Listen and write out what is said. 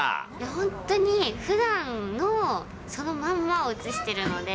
本当に、ふだんのそのまんまを映してるので。